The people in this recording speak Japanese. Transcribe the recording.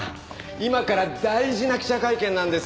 今から大事な記者会見なんですよ。